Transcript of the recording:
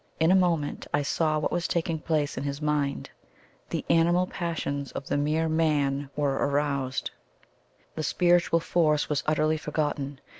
In a moment I saw what was taking place in his mind. The animal passions of the mere MAN were aroused the spiritual force was utterly forgotten.